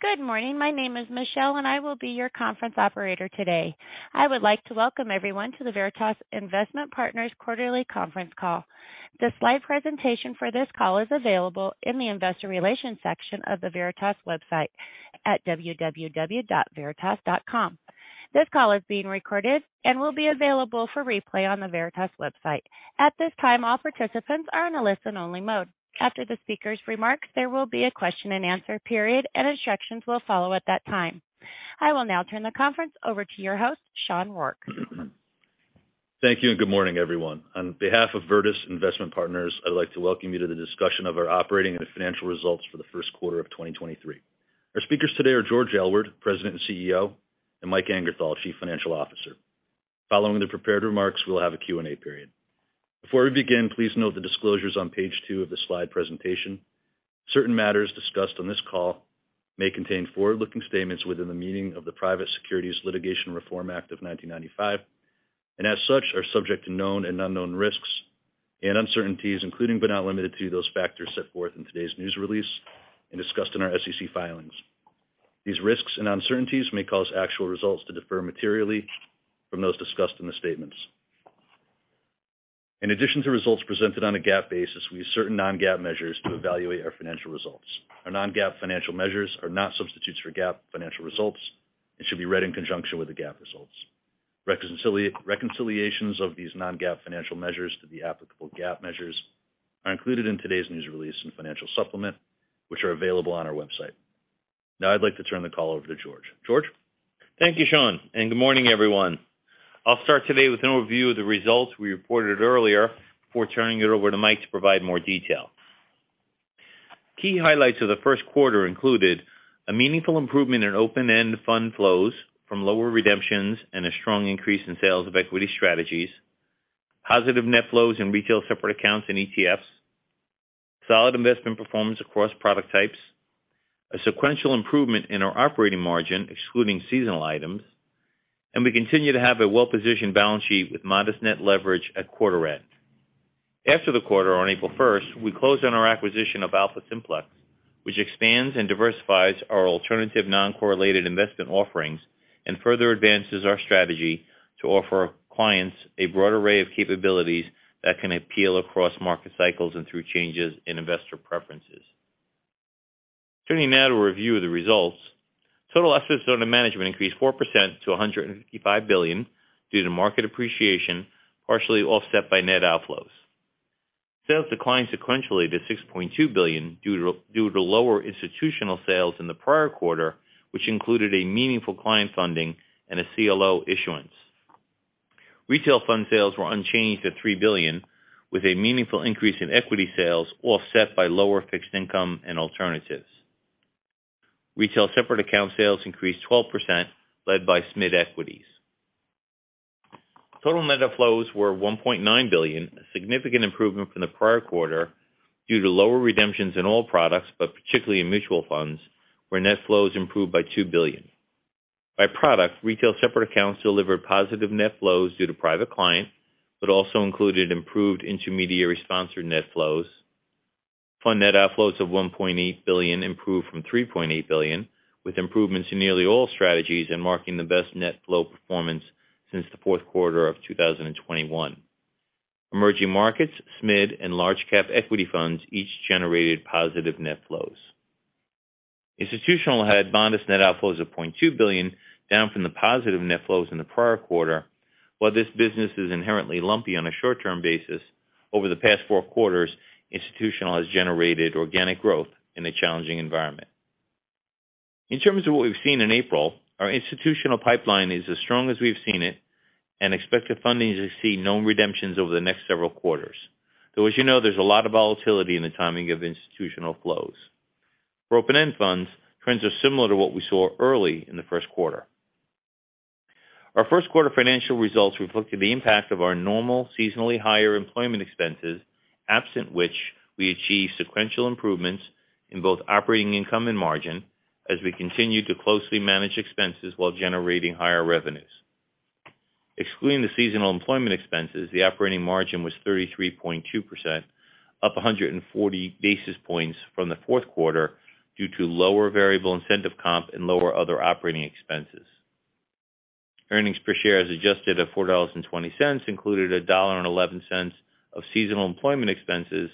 Good morning. My name is Michelle, and I will be your conference operator today. I would like to welcome everyone to the Virtus Investment Partners quarterly conference call. The slide presentation for this call is available in the investor relations section of the Virtus website at www.virtus.com. This call is being recorded and will be available for replay on the Virtus website. At this time, all participants are in a listen-only mode. After the speaker's remarks, there will be a question-and-answer period, and instructions will follow at that time. I will now turn the conference over to your host, Sean Rourke. Thank you, and good morning, everyone. On behalf of Virtus Investment Partners, I'd like to welcome you to the discussion of our operating and financial results for the 1st quarter of 2023. Our speakers today are George Aylward, President and CEO, and Mike Angerthal, Chief Financial Officer. Following the prepared remarks, we'll have a Q&A period. Before we begin, please note the disclosures on page two of the slide presentation. Certain matters discussed on this call may contain forward-looking statements within the meaning of the Private Securities Litigation Reform Act of 1995, and as such, are subject to known and unknown risks and uncertainties, including but not limited to those factors set forth in today's news release and discussed in our SEC filings. These risks and uncertainties may cause actual results to differ materially from those discussed in the statements. In addition to results presented on a GAAP basis, we use certain non-GAAP measures to evaluate our financial results. Our non-GAAP financial measures are not substitutes for GAAP financial results and should be read in conjunction with the GAAP results. Reconciliations of these non-GAAP financial measures to the applicable GAAP measures are included in today's news release and financial supplement, which are available on our website. I'd like to turn the call over to George. George? Thank you, Sean, and good morning, everyone. I'll start today with an overview of the results we reported earlier before turning it over to Mike to provide more detail. Key highlights of the 1st quarter included a meaningful improvement in open-end fund flows from lower redemptions and a strong increase in sales of equity strategies, positive net flows in retail separate accounts and ETFs, solid investment performance across product types, a sequential improvement in our operating margin, excluding seasonal items, and we continue to have a well-positioned balance sheet with modest net leverage at quarter end. After the quarter, on April 1st, we closed on our acquisition of AlphaSimplex, which expands and diversifies our alternative non-correlated investment offerings and further advances our strategy to offer clients a broad array of capabilities that can appeal across market cycles and through changes in investor preferences. Turning now to a review of the results. Total assets under management increased 4% to $155 billion due to market appreciation, partially offset by net outflows. Sales declined sequentially to $6.2 billion due to lower institutional sales in the prior quarter, which included a meaningful client funding and a CLO issuance. Retail fund sales were unchanged at $3 billion, with a meaningful increase in equity sales offset by lower fixed income and alternatives. Retail separate account sales increased 12% led by SMID equities. Total net outflows were $1.9 billion, a significant improvement from the prior quarter due to lower redemptions in all products, but particularly in mutual funds, where net flows improved by $2 billion. By product, retail separate accounts delivered positive net flows due to private client, but also included improved intermediary sponsored net flows. Fund net outflows of $1.8 billion improved from $3.8 billion, with improvements in nearly all strategies and marking the best net flow performance since the Q4 of 2021. Emerging markets, SMid, and large cap equity funds each generated positive net flows. Institutional had modest net outflows of $0.2 billion, down from the positive net flows in the prior quarter. While this business is inherently lumpy on a short-term basis, over the past four quarters, Institutional has generated organic growth in a challenging environment. In terms of what we've seen in April, our Institutional pipeline is as strong as we've seen it and expect the funding to see no redemptions over the next several quarters. As you know, there's a lot of volatility in the timing of Institutional flows. For open-end funds, trends are similar to what we saw early in the Q1. Our Q1 financial results reflected the impact of our normal seasonally higher employment expenses, absent which we achieved sequential improvements in both operating income and margin as we continued to closely manage expenses while generating higher revenues. Excluding the seasonal employment expenses, the operating margin was 33.2%, up 140 basis points from the Q4 due to lower variable incentive comp and lower other operating expenses. Earnings per share as adjusted at $4.20 included $1.11 of seasonal employment expenses.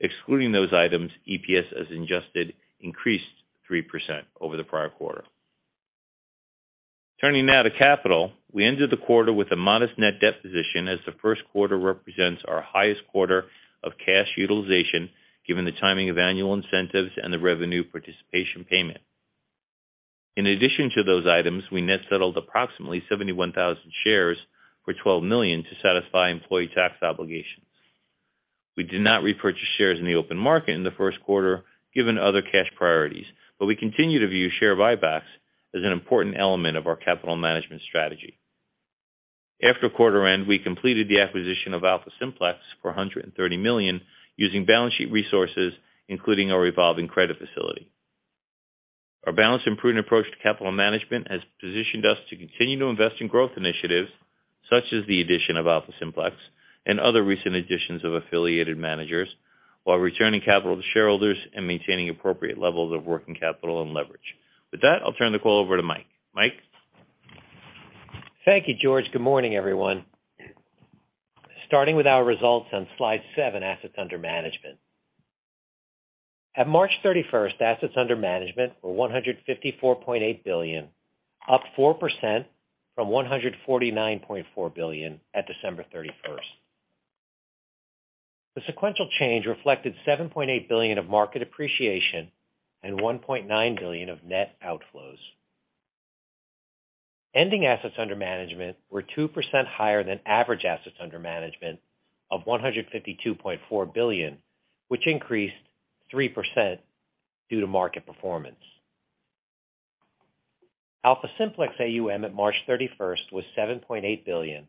Excluding those items, EPS as adjusted increased 3% over the prior quarter. Turning now to capital. We ended the quarter with a modest net debt position as the Q1 represents our highest quarter of cash utilization, given the timing of annual incentives and the revenue participation payment. In addition to those items, we net settled approximately 71,000 shares for $12 million to satisfy employee tax obligations. We did not repurchase shares in the open market in the Q1 given other cash priorities, but we continue to view share buybacks as an important element of our capital management strategy. After quarter end, we completed the acquisition of AlphaSimplex for $130 million using balance sheet resources, including our revolving credit facility. Our balanced and prudent approach to capital management has positioned us to continue to invest in growth initiatives such as the addition of AlphaSimplex and other recent additions of affiliated managers, while returning capital to shareholders and maintaining appropriate levels of working capital and leverage. I'll turn the call over to Mike. Mike? Thank you, George. Good morning, everyone. Starting with our results on Slide seven, Assets Under Management. At March 31st, assets under management were $154.8 billion, up 4% from $149.4 billion at December 31st. The sequential change reflected $7.8 billion of market appreciation and $1.9 billion of net outflows. Ending assets under management were 2% higher than average assets under management of $152.4 billion, which increased 3% due to market performance. AlphaSimplex AUM at March 31st was $7.8 billion,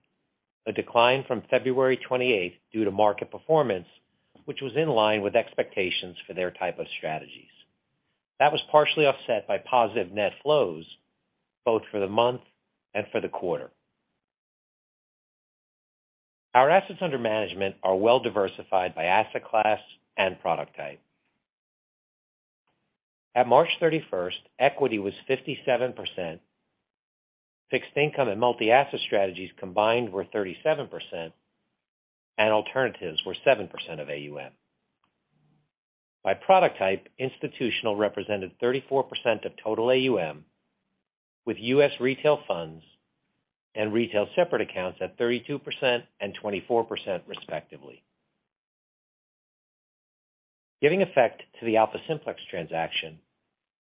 a decline from February 28th due to market performance, which was in line with expectations for their type of strategies. That was partially offset by positive net flows, both for the month and for the quarter. Our assets under management are well-diversified by asset class and product type. At March 31st, equity was 57%, fixed income and multi-asset strategies combined were 37%, and alternatives were 7% of AUM. By product type, institutional represented 34% of total AUM, with U.S. retail funds and retail separate accounts at 32% and 24% respectively. Giving effect to the AlphaSimplex transaction,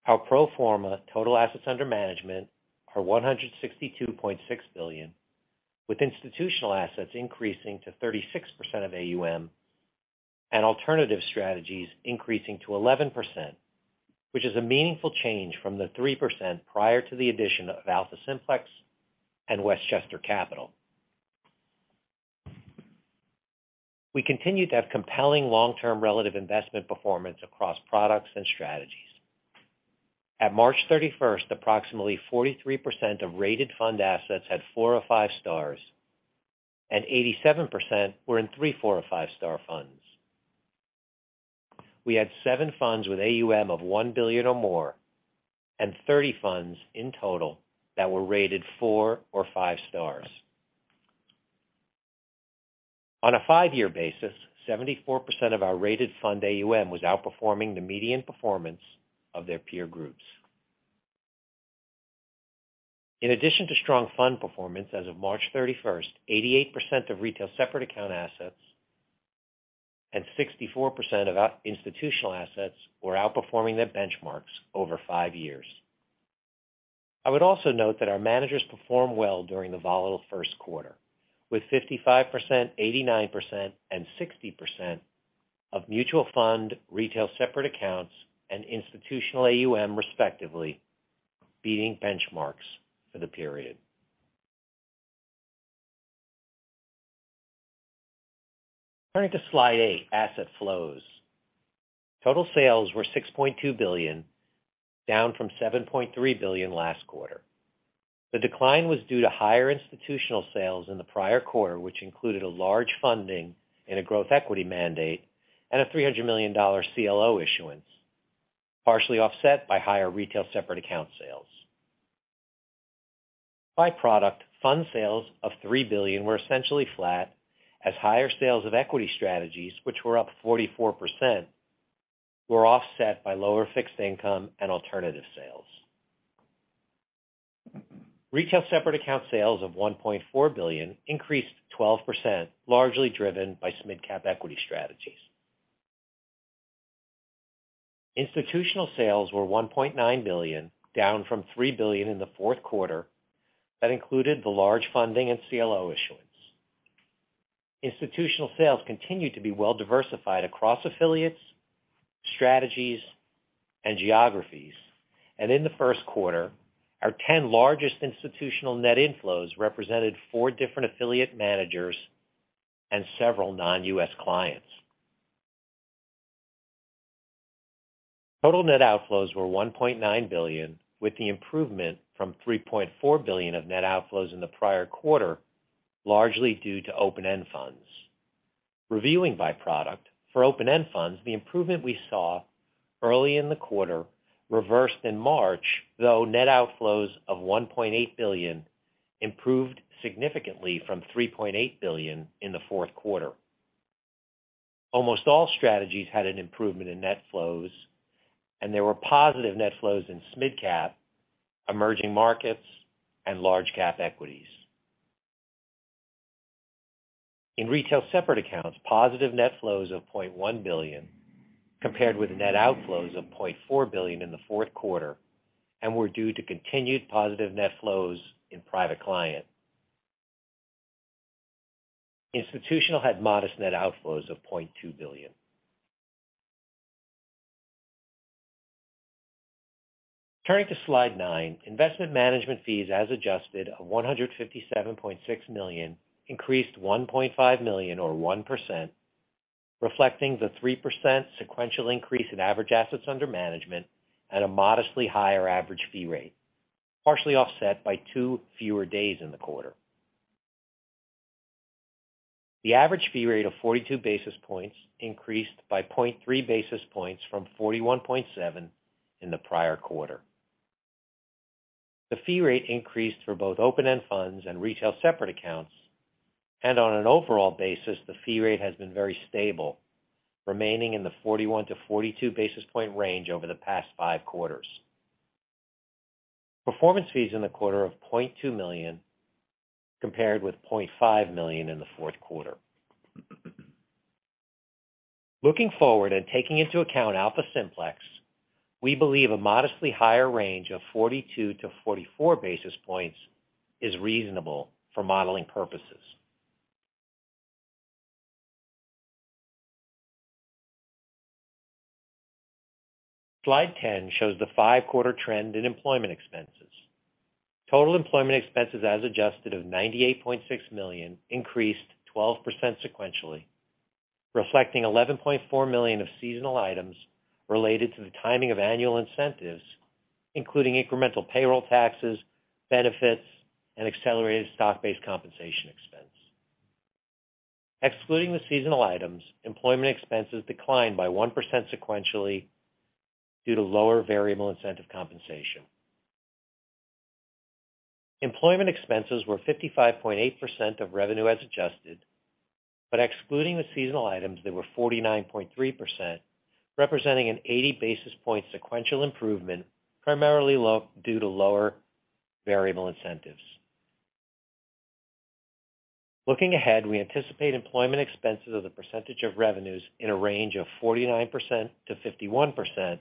our pro forma total assets under management are $162.6 billion, with institutional assets increasing to 36% of AUM and alternative strategies increasing to 11%, which is a meaningful change from the 3% prior to the addition of AlphaSimplex and Westchester Capital. We continued to have compelling long-term relative investment performance across products and strategies. At March 31st, approximately 43% of rated fund assets had four or five stars, and 87% were in three, four, or five-star funds. We had seven funds with AUM of $1 billion or more and 30 funds in total that were rated four or five stars. On a five-year basis, 74% of our rated fund AUM was outperforming the median performance of their peer groups. In addition to strong fund performance as of March 31st, 88% of retail separate account assets and 64% of our institutional assets were outperforming their benchmarks over five years. I would also note that our managers performed well during the volatile 1st quarter, with 55%, 89%, and 60% of mutual fund retail separate accounts and institutional AUM respectively, beating benchmarks for the period. Turning to Slide eight, Asset Flows. Total sales were $6.2 billion, down from $7.3 billion last quarter. The decline was due to higher institutional sales in the prior quarter, which included a large funding in a growth equity mandate and a $300 million CLO issuance, partially offset by higher retail separate account sales. By product, fund sales of $3 billion were essentially flat as higher sales of equity strategies, which were up 44%, were offset by lower fixed income and alternative sales. Retail separate account sales of $1.4 billion increased 12%, largely driven by SMID cap equity strategies. Institutional sales were $1.9 billion, down from $3 billion in the Q4. That included the large funding and CLO issuance. Institutional sales continued to be well-diversified across affiliates, strategies, and geographies. In the Q1, our 10 largest institutional net inflows represented four different affiliate managers and several non-U.S. clients. Total net outflows were $1.9 billion, with the improvement from $3.4 billion of net outflows in the prior quarter, largely due to open-end funds. Reviewing by product, for open-end funds, the improvement we saw early in the quarter reversed in March, though net outflows of $1.8 billion improved significantly from $3.8 billion in the Q4. Almost all strategies had an improvement in net flows, and there were positive net flows in SMID cap, emerging markets, and large cap equities. In retail separate accounts, positive net flows of $0.1 billion compared with net outflows of $0.4 billion in the Q4 and were due to continued positive net flows in private client. Institutional had modest net outflows of $0.2 billion. Turning to Slide 9, investment management fees as adjusted of $157.6 million increased $1.5 million or 1%. Reflecting the 3% sequential increase in average assets under management at a modestly higher average fee rate, partially offset by two fewer days in the quarter. The average fee rate of 42 basis points increased by 0.3 basis points from 41.7 in the prior quarter. The fee rate increased for both open-end funds and retail separate accounts, and on an overall basis, the fee rate has been very stable, remaining in the 41-42 basis point range over the past five quarters. Performance fees in the quarter of $0.2 million compared with $0.5 million in the 4th quarter. Looking forward, taking into account AlphaSimplex, we believe a modestly higher range of 42-44 basis points is reasonable for modeling purposes. Slide 10 shows the five-quarter trend in employment expenses. Total employment expenses as adjusted of $98.6 million increased 12% sequentially, reflecting $11.4 million of seasonal items related to the timing of annual incentives, including incremental payroll taxes, benefits, and accelerated stock-based compensation expense. Excluding the seasonal items, employment expenses declined by 1% sequentially due to lower variable incentive compensation. Employment expenses were 55.8% of revenue as adjusted, but excluding the seasonal items, they were 49.3%, representing an 80 basis point sequential improvement, primarily due to lower variable incentives. Looking ahead, we anticipate employment expenses as a percentage of revenues in a range of 49%-51%,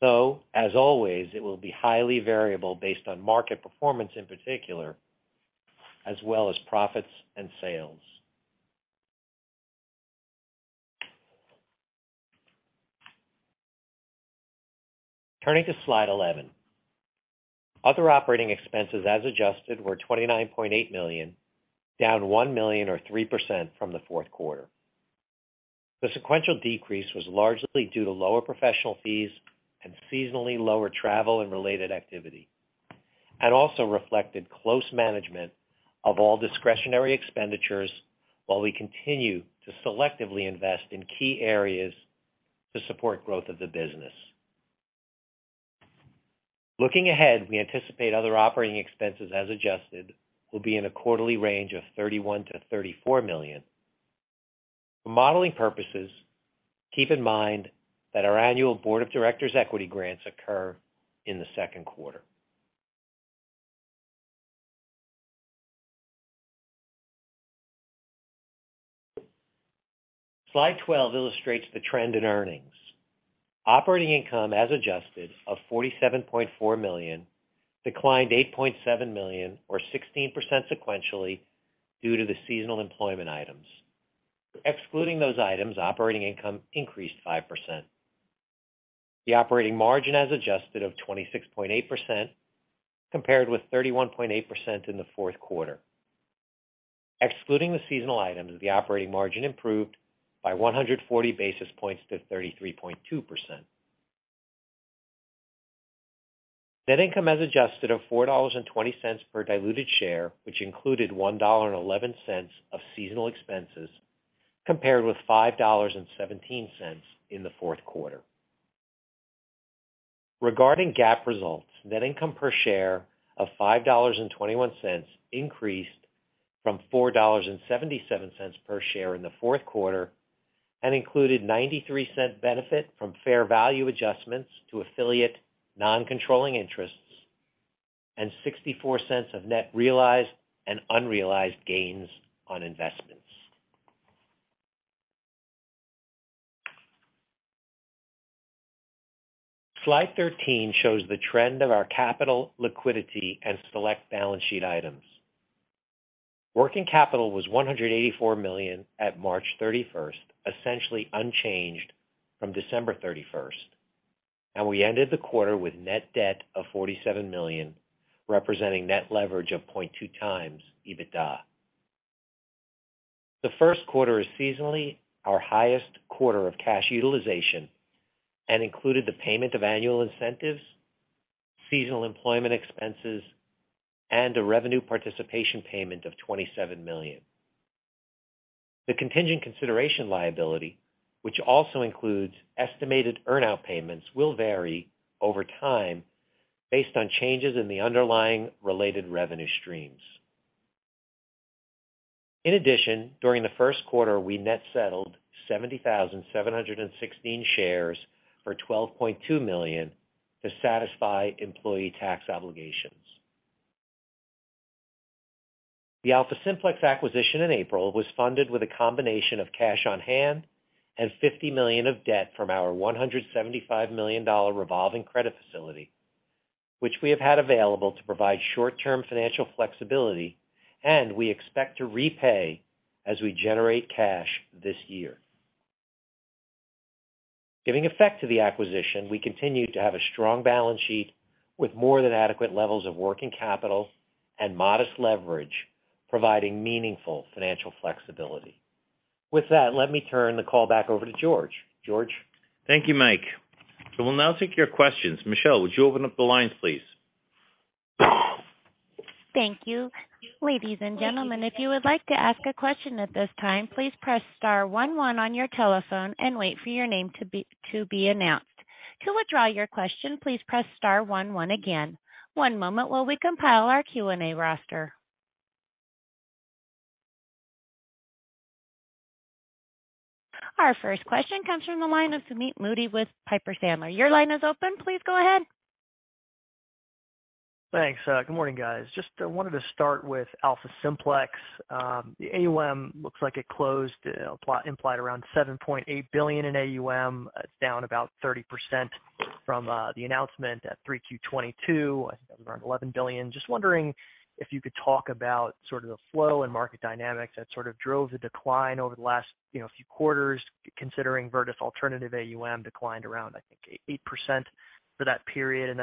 though, as always, it will be highly variable based on market performance in particular, as well as profits and sales. Turning to Slide 11. Other operating expenses as adjusted were $29.8 million, down $1 million or 3% from the Q4. The sequential decrease was largely due to lower professional fees and seasonally lower travel and related activity, and also reflected close management of all discretionary expenditures while we continue to selectively invest in key areas to support growth of the business. Looking ahead, we anticipate other operating expenses as adjusted will be in a quarterly range of $31 million-$34 million. For modeling purposes, keep in mind that our annual Board of Directors equity grants occur in the Q2. Slide 12 illustrates the trend in earnings. Operating income as adjusted of $47.4 million declined $8.7 million or 16% sequentially due to the seasonal employment items. Excluding those items, operating income increased 5%. The operating margin as adjusted of 26.8% compared with 31.8% in the Q4. Excluding the seasonal items, the operating margin improved by 140 basis points to 33.2%. Net income as adjusted of $4.20 per diluted share, which included $1.11 of seasonal expenses compared with $5.17 in the Q4. Regarding GAAP results, net income per share of $5.21 increased from $4.77 per share in the Q4 and included $0.93 benefit from fair value adjustments to affiliate non-controlling interests and $0.64 of net realized and unrealized gains on investments. Slide 13 shows the trend of our capital liquidity and select balance sheet items. Working capital was $184 million at March 31st, essentially unchanged from December 31st. We ended the quarter with net debt of $47 million, representing net leverage of 0.2x EBITDA. The Q1 is seasonally our highest quarter of cash utilization and included the payment of annual incentives, seasonal employment expenses, and a revenue participation payment of $27 million. The contingent consideration liability, which also includes estimated earn-out payments, will vary over time based on changes in the underlying related revenue streams. During the Q1, we net settled 70,716 shares for $12.2 million to satisfy employee tax obligations. The AlphaSimplex acquisition in April was funded with a combination of cash on hand and $50 million of debt from our $175 million revolving credit facility, which we have had available to provide short-term financial flexibility and we expect to repay as we generate cash this year. Giving effect to the acquisition, we continue to have a strong balance sheet with more than adequate levels of working capital and modest leverage, providing meaningful financial flexibility. With that, let me turn the call back over to George. George? Thank you, Mike. We'll now take your questions. Michelle, would you open up the lines, please? Thank you. Ladies and gentlemen, if you would like to ask a question at this time, please press star 11 on your telephone and wait for your name to be announced. To withdraw your question, please press star 11 again. One moment while we compile our Q&A roster. Our first question comes from the line of Sumeet Mody with Piper Sandler. Your line is open. Please go ahead. Thanks. Good morning, guys. Just wanted to start with AlphaSimplex. The AUM looks like it closed, implied around $7.8 billion in AUM. That's down about 30 from the announcement at 3/2/2022. I think that was around $11 billion. Just wondering if you could talk about sort of the flow and market dynamics that sort of drove the decline over the last, you know, few quarters considering Virtus Alternative AUM declined around, I think, 8% for that period.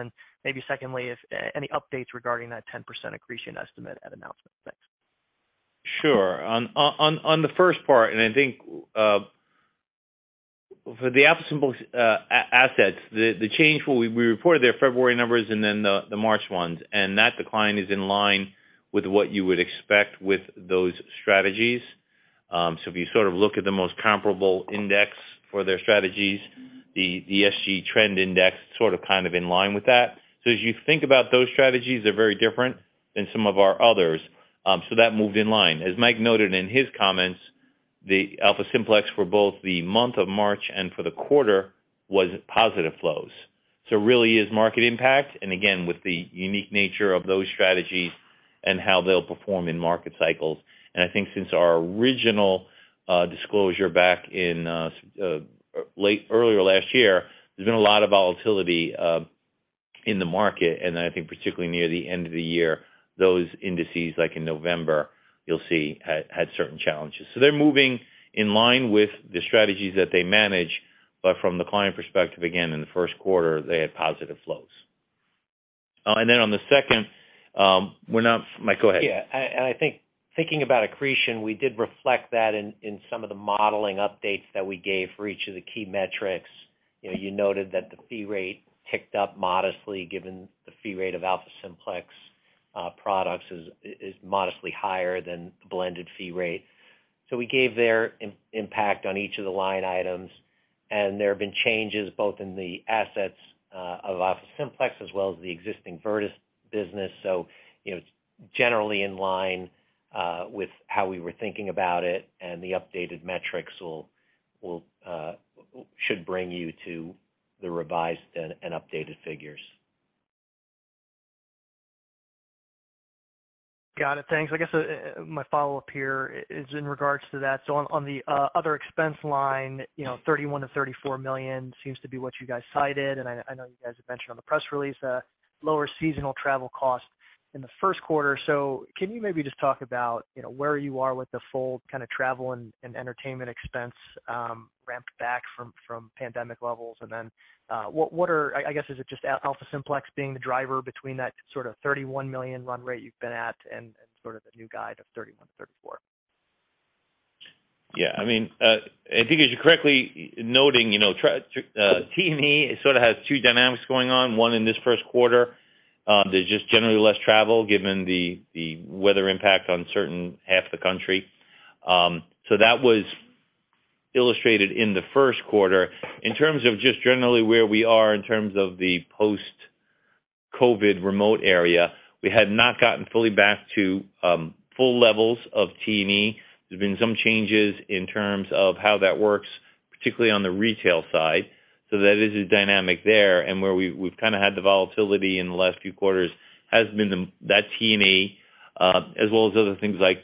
Maybe secondly, if any updates regarding that 10% accretion estimate at announcement. Thanks. Sure. On the first part, I think for the AlphaSimplex assets, the change where we reported their February numbers and then the March ones, that decline is in line with what you would expect with those strategies. If you sort of look at the most comparable index for their strategies, the ESG trend index sort of kind of in line with that. As you think about those strategies, they're very different than some of our others. That moved in line. As Mike noted in his comments, the AlphaSimplex for both the month of March and for the quarter was positive flows. It really is market impact, and again, with the unique nature of those strategies and how they'll perform in market cycles. I think since our original disclosure back in earlier last year, there's been a lot of volatility in the market. I think particularly near the end of the year, those indices, like in November, you'll see had certain challenges. They're moving in line with the strategies that they manage, from the client perspective, again, in the Q1, they had positive flows. On the second, we're not... Mike, go ahead. I think thinking about accretion, we did reflect that in some of the modeling updates that we gave for each of the key metrics. You know, you noted that the fee rate ticked up modestly, given the fee rate of AlphaSimplex products is modestly higher than the blended fee rate. We gave their impact on each of the line items, there have been changes both in the assets of AlphaSimplex as well as the existing Virtus business. You know, it's generally in line with how we were thinking about it and the updated metrics will should bring you to the revised and updated figures. Got it. Thanks. I guess my follow-up here is in regards to that. On the other expense line, you know, $31-$34 million seems to be what you guys cited, and I know you guys have mentioned on the press release, lower seasonal travel costs in the Q1. Can you maybe just talk about, you know, where you are with the full kind of travel and entertainment expense, ramped back from pandemic levels? I guess is it just AlphaSimplex being the driver between that sort of $31 million run rate you've been at and sort of the new guide of $31-$34 million? I mean, I think as you're correctly noting, you know, T&E sort of has two dynamics going on. One, in this Q1, there's just generally less travel given the weather impact on certain half of the country. That was illustrated in the Q1. In terms of just generally where we are in terms of the post-COVID remote area, we had not gotten fully back to full levels of T&E. There's been some changes in terms of how that works, particularly on the retail side. That is a dynamic there. Where we've kind of had the volatility in the last few quarters has been that T&E, as well as other things like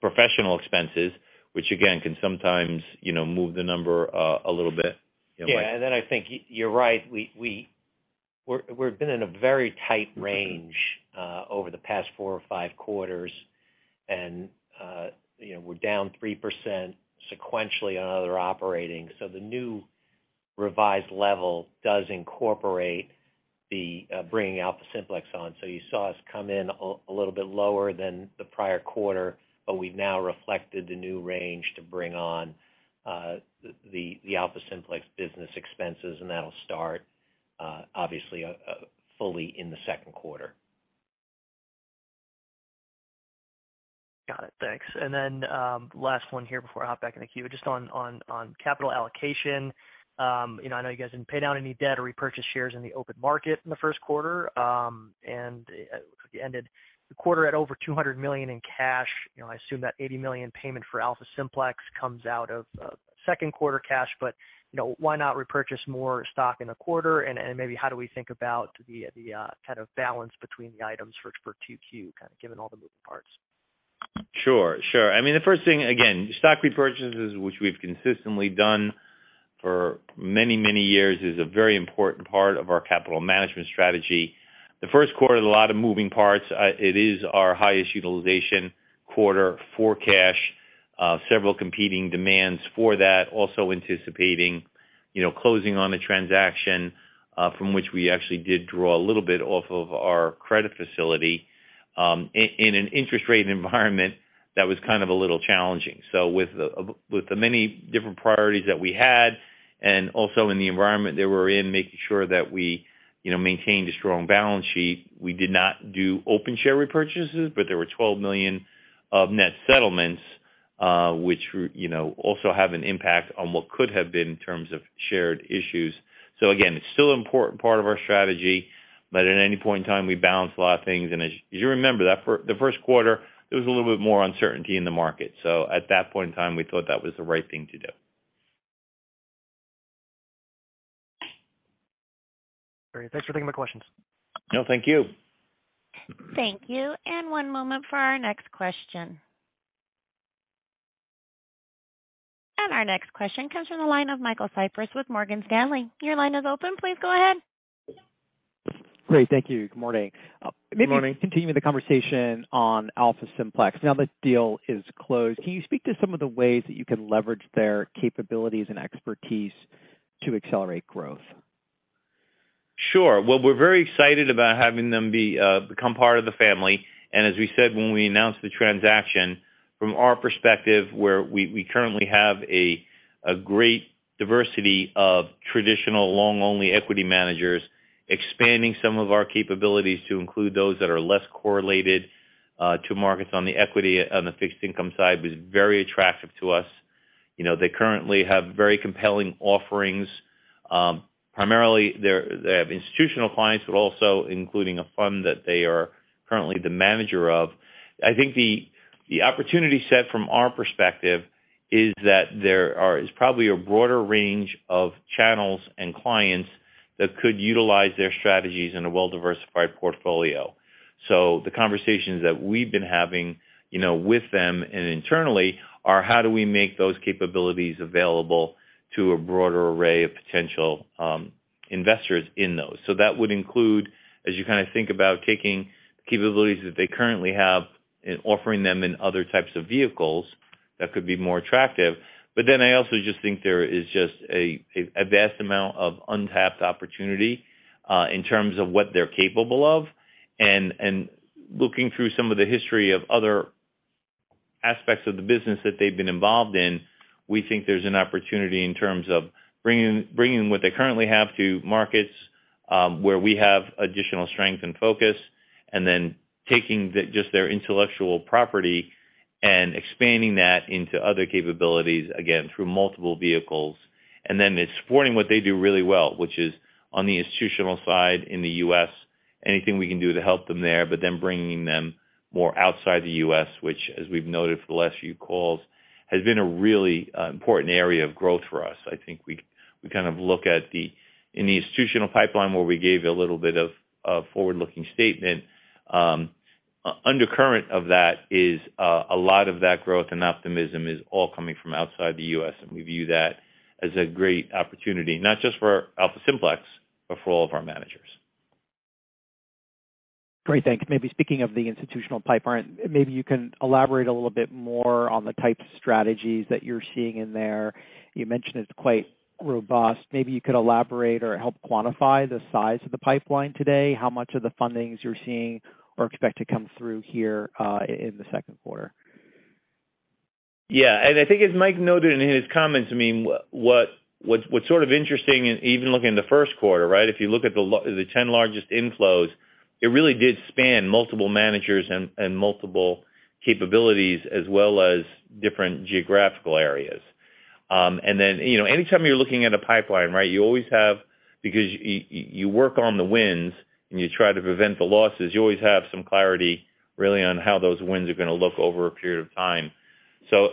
professional expenses, which again, can sometimes, you know, move the number a little bit. You know, Mike. Yeah. Then I think you're right. We've been in a very tight range over the past 4 or 5 quarters. You know, we're down 3% sequentially on other operating. The new revised level does incorporate the bringing AlphaSimplex on. You saw us come in a little bit lower than the prior quarter, but we've now reflected the new range to bring on the AlphaSimplex business expenses, and that'll start obviously fully in the Q2. Got it. Thanks. Last one here before I hop back in the queue. Just on capital allocation. You know, I know you guys didn't pay down any debt or repurchase shares in the open market in the Q1, and ended the quarter at over $200 million in cash. You know, I assume that $80 million payment for AlphaSimplex comes out of Q2 cash. You know, why not repurchase more stock in a quarter? Maybe how do we think about the kind of balance between the items for 2Q, given all the moving parts? Sure. Sure. I mean, the first thing, again, stock repurchases, which we've consistently done for many, many years, is a very important part of our capital management strategy. The Q1 had a lot of moving parts. It is our highest utilization-quarter for cash, several competing demands for that. Also anticipating, you know, closing on the transaction, from which we actually did draw a little bit off of our credit facility, in an interest rate environment that was kind of a little challenging. With the many different priorities that we had and also in the environment that we're in, making sure that we, you know, maintained a strong balance sheet, we did not do open share repurchases, but there were $12 million of net settlements, which, you know, also have an impact on what could have been in terms of shared issues. Again, it's still an important part of our strategy, but at any point in time, we balance a lot of things. As you remember that the Q1, there was a little bit more uncertainty in the market. At that point in time, we thought that was the right thing to do. Great. Thanks for taking my questions. No, thank you. Thank you. One moment for our next question. Our next question comes from the line of Michael Cyprys with Morgan Stanley. Your line is open. Please go ahead. Great. Thank you. Good morning. Good morning. Maybe continuing the conversation on AlphaSimplex. Now the deal is closed, can you speak to some of the ways that you can leverage their capabilities and expertise to accelerate growth? Sure. Well, we're very excited about having them become part of the family. As we said when we announced the transaction, from our perspective, where we currently have a great diversity of traditional long-only equity managers, expanding some of our capabilities to include those that are less correlated to markets on the equity on the fixed income side was very attractive to us. You know, they currently have very compelling offerings. Primarily they have institutional clients, but also including a fund that they are currently the manager of. I think the opportunity set from our perspective is that there is probably a broader range of channels and clients that could utilize their strategies in a well-diversified portfolio. The conversations that we've been having, you know, with them and internally are how do we make those capabilities available to a broader array of potential investors in those? That would include, as you kinda think about taking capabilities that they currently have and offering them in other types of vehicles that could be more attractive. I also just think there is just a vast amount of untapped opportunity in terms of what they're capable of. Looking through some of the history of other aspects of the business that they've been involved in, we think there's an opportunity in terms of bringing what they currently have to markets where we have additional strength and focus, and then taking just their intellectual property and expanding that into other capabilities, again, through multiple vehicles. It's supporting what they do really well, which is on the institutional side in the U.S. Anything we can do to help them there, but then bringing them more outside the U.S., which as we've noted for the last few calls, has been a really important area of growth for us. I think we kind of look at the in the institutional pipeline where we gave a little bit of forward-looking statement, undercurrent of that is a lot of that growth and optimism is all coming from outside the U.S., and we view that as a great opportunity, not just for AlphaSimplex, but for all of our managers. Great. Thanks. Maybe speaking of the institutional pipeline, maybe you can elaborate a little bit more on the type of strategies that you're seeing in there. You mentioned it's quite robust. Maybe you could elaborate or help quantify the size of the pipeline today, how much of the fundings you're seeing or expect to come through here, in the Q2. Yeah. I think as Mike noted in his comments, I mean, what's sort of interesting, even looking in the Q1, right? If you look at the 10 largest inflows, it really did span multiple managers and multiple capabilities as well as different geographical areas. you know, anytime you're looking at a pipeline, right, Because you work on the wins and you try to prevent the losses, you always have some clarity really on how those wins are gonna look over a period of time.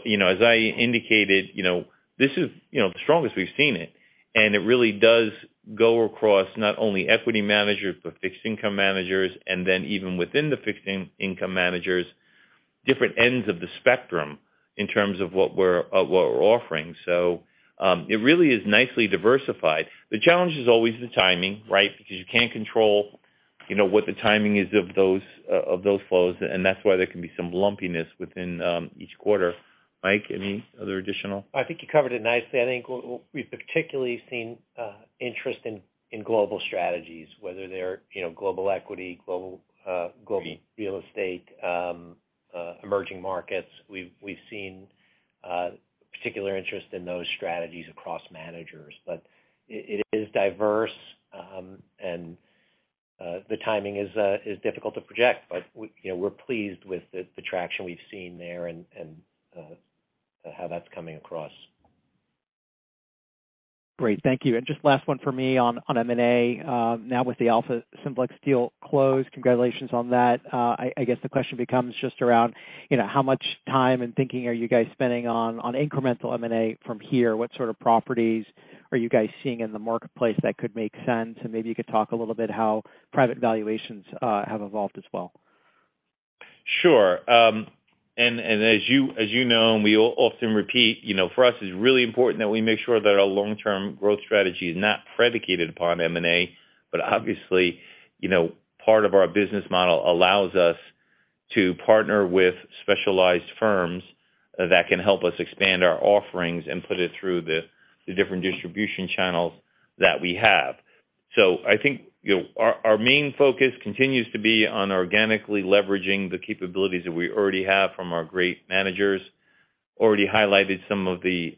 you know, as I indicated, you know, this is, you know, the strongest we've seen it, and it really does go across not only equity managers, but fixed income managers. Even within the fixed income managers, different ends of the spectrum in terms of what we're, of what we're offering. It really is nicely diversified. The challenge is always the timing, right? Because you can't control, you know, what the timing is of those, of those flows, and that's why there can be some lumpiness within each quarter. Mike, any other additional? I think you covered it nicely. I think we've particularly seen interest in global strategies, whether they're, you know, global equity, global real estate, emerging markets. We've seen particular interest in those strategies across managers. But it is diverse, and the timing is difficult to project. But we, you know, we're pleased with the traction we've seen there and how that's coming across. Great. Thank you. Just last one for me on M&A. Now with the AlphaSimplex deal closed, congratulations on that. I guess the question becomes just around, you know, how much time and thinking are you guys spending on incremental M&A from here? What sort of properties are you guys seeing in the marketplace that could make sense? Maybe you could talk a little bit how private valuations have evolved as well. Sure. As you, as you know, and we often repeat, you know, for us, it's really important that we make sure that our long-term growth strategy is not predicated upon M&A. Obviously, you know, part of our business model allows us to partner with specialized firms that can help us expand our offerings and put it through the different distribution channels that we have. I think, you know, our main focus continues to be on organically leveraging the capabilities that we already have from our great managers. Already highlighted some of the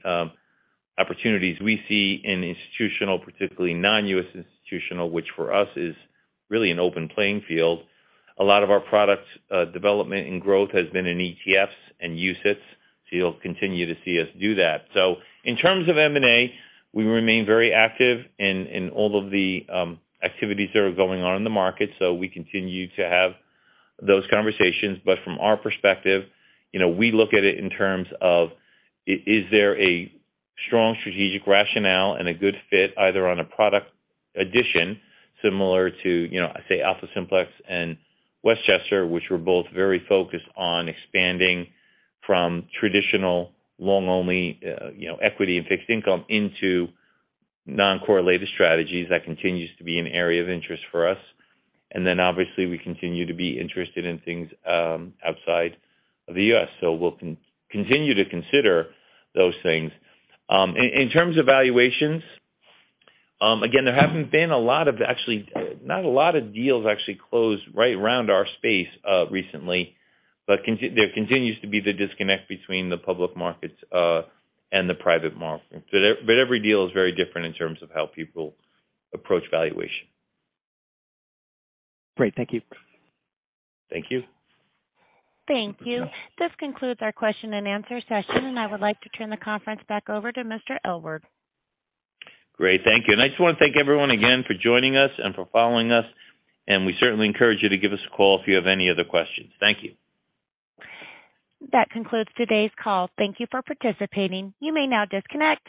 opportunities we see in institutional, particularly non-US institutional, which for us is really an open playing field. A lot of our products, development and growth has been in ETFs and UCITS, so you'll continue to see us do that. In terms of M&A, we remain very active in all of the activities that are going on in the market. We continue to have those conversations. From our perspective, you know, we look at it in terms of is there a strong strategic rationale and a good fit either on a product addition similar to, you know, say, AlphaSimplex and Westchester, which were both very focused on expanding from traditional long-only, you know, equity and fixed income into non-correlated strategies. That continues to be an area of interest for us. Obviously we continue to be interested in things outside of the U.S., so we'll continue to consider those things. In terms of valuations, again, there hasn't been actually, not a lot of deals actually closed right around our space recently. There continues to be the disconnect between the public markets and the private market. Every deal is very different in terms of how people approach valuation. Great. Thank you. Thank you. Thank you. This concludes our question and answer session, and I would like to turn the conference back over to Mr. Aylward. Great. Thank you. I just wanna thank everyone again for joining us and for following us, and we certainly encourage you to give us a call if you have any other questions. Thank you. That concludes today's call. Thank you for participating. You may now disconnect.